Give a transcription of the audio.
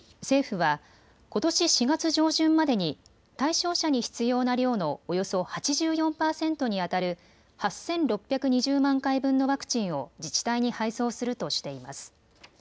政府はことし４月上旬までに対象者に必要な量のおよそ８４％にあたる８６２０万回分のワクチンを自治体に配送するとしています。